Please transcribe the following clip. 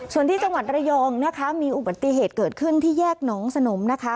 ส่วนที่จังหวัดระยองนะคะมีอุบัติเหตุเกิดขึ้นที่แยกหนองสนมนะคะ